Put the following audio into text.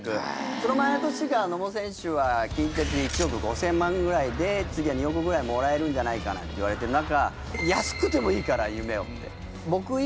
その前の年が野茂選手は近鉄１億５０００万ぐらいで次は２億ぐらいもらえるんじゃないかなんていわれてる中。